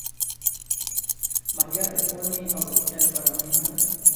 مالیه د ښوونې او روغتیا لپاره مهمه ده.